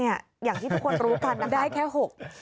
อย่างที่ทุกคนรู้กันนะครับ